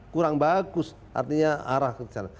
kurang bagus artinya arah kejadian